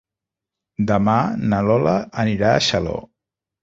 Demà na Lola anirà a Xaló.